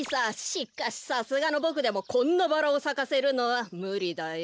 しかしさすがのボクでもこんなバラをさかせるのはむりだよ。